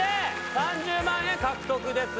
３０万円獲得です。